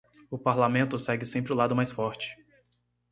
O parlamento segue sempre o lado mais forte.